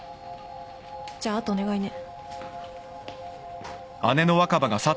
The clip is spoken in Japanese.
じゃあ後お願いね。